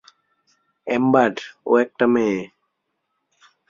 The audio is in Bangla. এম্বার, ও একটা মেয়ে।